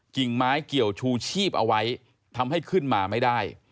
กิ่งไม้เกี่ยวชูชีพเอาไว้ทำให้ขึ้นมาไม่ได้